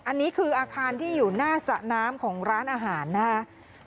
อันนี้คืออาคารที่อยู่หน้าสระน้ำของร้านอาหารนะครับ